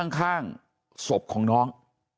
ข้างศพของน้อง